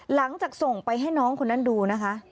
หลังจากส่งไปให้น้องคนนั้นดูนะคะ